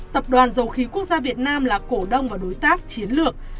tập đoàn dầu khí quốc gia việt nam là cổ đông và đối tác chiến lược